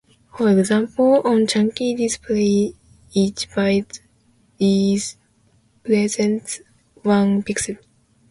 For example, on a chunky display, each byte represents one pixel.